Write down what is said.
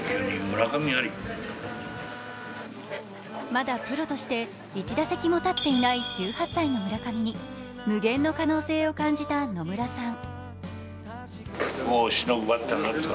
まだプロとして１打席も立っていない１８歳の村上に無限の可能性を感じた野村さん。